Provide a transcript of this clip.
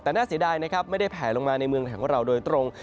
แต่น่าเสียดายนะครับไม่ได้แผลลงมาในเมืองไทยของเราโดยตรง